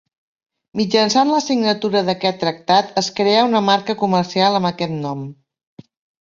Mitjançant la signatura d'aquest tractat es creà una marca comercial amb aquest nom.